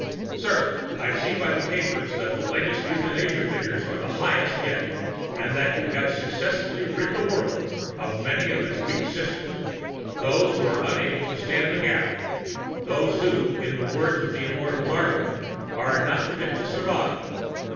Sir: _I see by the papers that the latest euthanasia figures are the highest yet, and that you have successfully rid the world of many of its weak sisters, those who are unable to stand the gaff, those who, in the words of the immortal Darwin "are not fit to survive."